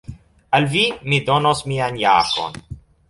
Al vi mi donos mian jakon.